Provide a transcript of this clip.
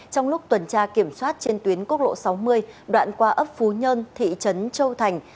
trong lúc tuần tra kiểm soát trên tuyến quốc lộ sáu mươi đoạn qua ấp phú nhơn thị trấn châu thành